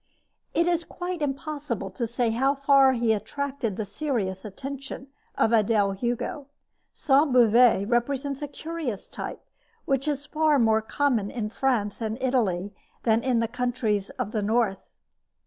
It is quite impossible to say how far he attracted the serious attention of Adele Hugo. Sainte Beuve represents a curious type, which is far more common in France and Italy than in the countries of the north.